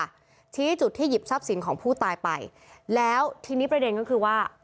ชี้จุดที่หยิบทรัพย์สินของผู้ตายไปแล้วทีนี้ประเด็นก็คือว่า